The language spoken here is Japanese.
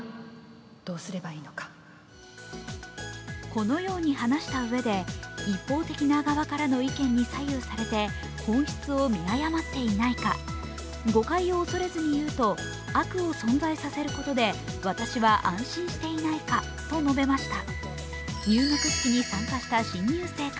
このように話したうえで一方的な側からの意見に左右されて本質を見誤っていないか、誤解を恐れずに言うと悪を存在させることで私は安心していないかと述べました。